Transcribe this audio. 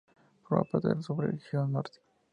Forma parte de la subregión Norte.